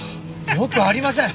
よくありません！